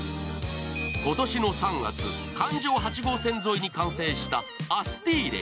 今年の３月、環状８号線沿いに完成したＡＳＴＩＬＥ